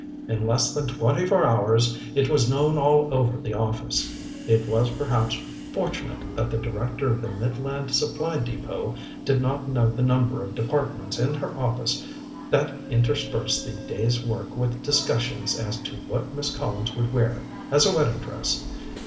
In less than twenty four hours it was known all over the office. It was perhaps fortunate that the Director of the Midland Supply Depôt did not know the number of departments in her office that interspersed the day's work with discussions as to what Miss Collins would wear as a wedding dress.